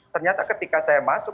ternyata ketika saya masuk